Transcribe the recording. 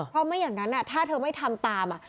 เพราะไม่อย่างนั้นถ้าเธอไม่ทำตาม